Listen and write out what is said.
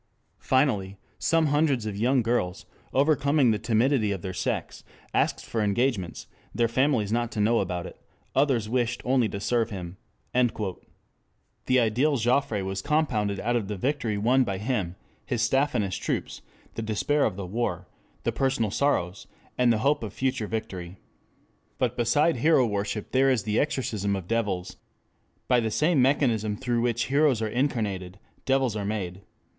Finally, some hundreds of young girls, overcoming the timidity of their sex, asked for engagements, their families not to know about it; others wished only to serve him." This ideal Joffre was compounded out of the victory won by him, his staff and his troops, the despair of the war, the personal sorrows, and the hope of future victory. But beside hero worship there is the exorcism of devils. By the same mechanism through which heroes are incarnated, devils are made.